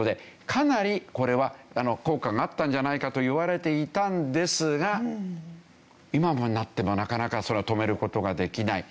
かなりこれは効果があったんじゃないかと言われていたんですが今になってもなかなかそれを止める事ができない。